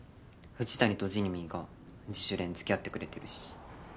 藤谷とジミーが自主練付き合ってくれてるし。